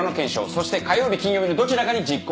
そして火曜日金曜日のどちらかに実行する。